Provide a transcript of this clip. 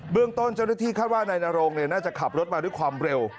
เรื่องต้นเจ้าหน้าที่คาดว่านายนโรงน่าจะขับรถมาด้วยความเร็ว